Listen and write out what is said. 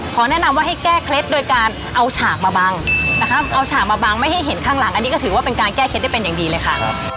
แนะนำว่าให้แก้เคล็ดโดยการเอาฉากมาบังนะคะเอาฉากมาบังไม่ให้เห็นข้างหลังอันนี้ก็ถือว่าเป็นการแก้เคล็ดได้เป็นอย่างดีเลยค่ะ